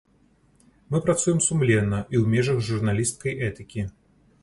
Мы працуем сумленна і ў межах журналісцкай этыкі.